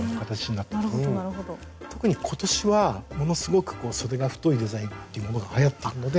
特に今年はものすごくそでが太いデザインっていうものがはやっているので。